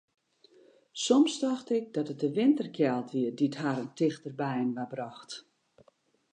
Soms tocht ik dat it de winterkjeld wie dy't harren tichter byinoar brocht.